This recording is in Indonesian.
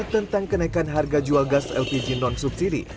tentang kenaikan harga jual gas lpg non subsidi